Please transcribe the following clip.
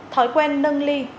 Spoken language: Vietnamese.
thói quen nâng ly